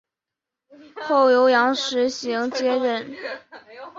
后由杨时行接任。